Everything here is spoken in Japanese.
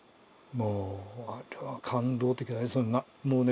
もうあれは感動的でもうね